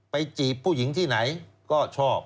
จีบผู้หญิงที่ไหนก็ชอบ